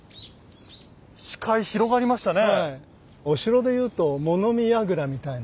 視界広がりましたね。